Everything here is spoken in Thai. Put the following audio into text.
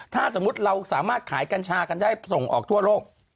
ถ้าสมมุติเราสามารถขายกัญชากันได้ส่งออกทั่วโลก